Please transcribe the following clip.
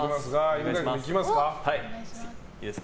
犬飼君、いきますか。